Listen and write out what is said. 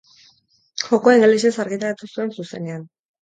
Jokoa ingelesez argitaratu zuen zuzenean.